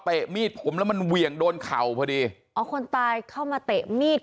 มีดผมแล้วมันเหวี่ยงโดนเข่าพอดีอ๋อคนตายเข้ามาเตะมีด